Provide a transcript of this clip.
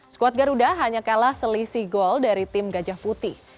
skuad garuda hanya kalah selisih gol dari tim gajah putih